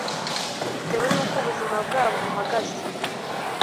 bitewe nuko ubuzima bwabo buhagaze